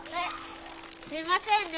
すいませんね。